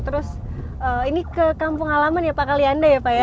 terus ini ke kampung halaman ya pak kalianda ya pak ya